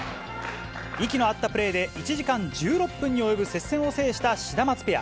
息の合ったプレーで１時間１６分に及ぶ接戦を制したシダマツペア。